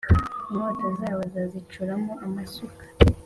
Inkota zabo bazazicuramo amasuka,